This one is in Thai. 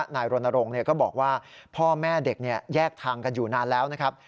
นายรณรงค์ก็บอกว่าพ่อแม่เด็กแยกทางกันอยู่นานแล้วนะครับ